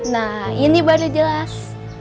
nah ini baru jelas